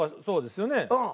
そうですよね。